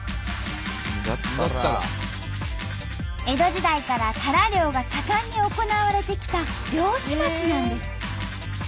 江戸時代からタラ漁が盛んに行われてきた漁師町なんです。